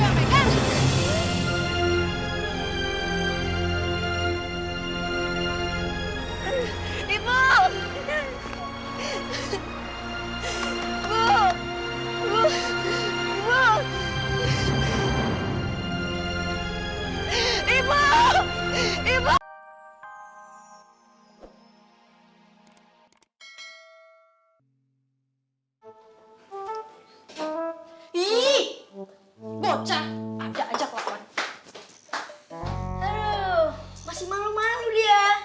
aduh masih malu malu dia